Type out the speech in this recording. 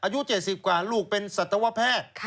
อายุเจ็ดสิบกว่าลูกเป็นศัตรวแพทย์